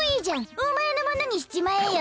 おまえのものにしちまえよ。